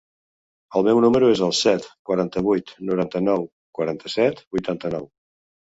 El meu número es el set, quaranta-vuit, noranta-nou, quaranta-set, vuitanta-nou.